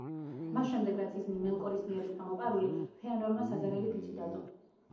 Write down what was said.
მას შემდეგ, რაც ისინი მელკორის მიერ იქნა მოპარული, ფეანორმა საზარელი ფიცი დადო.